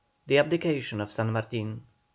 THE ABDICATION OF SAN MARTIN. 1822.